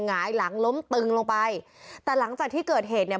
หงายหลังล้มตึงลงไปแต่หลังจากที่เกิดเหตุเนี่ย